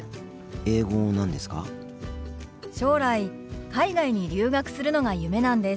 将来海外に留学するのが夢なんです。